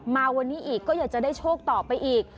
มาวันนี้อีกก็อยากจะได้โชคต่อไปอีก